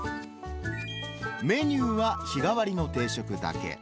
メニューは日替わりの定食だけ。